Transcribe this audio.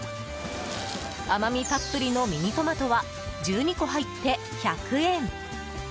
甘味たっぷりのミニトマトは１２個入って１００円。